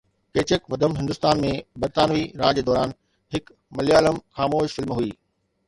ڪيچڪ ودم هندستان ۾ برطانوي راڄ دوران هڪ مليالم خاموش فلم هئي